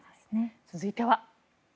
続いては。